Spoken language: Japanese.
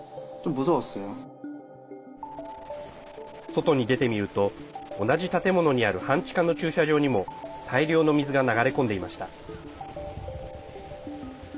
外に出てみると同じ建物にある半地下の駐車場にも大量の水が流れ込んでいました。